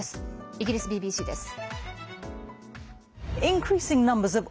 イギリスＢＢＣです。